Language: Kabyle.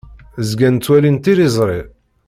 Zgan ttwalin tiliẓri.